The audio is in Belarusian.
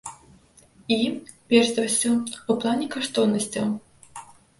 І, перш за ўсё, у плане каштоўнасцяў.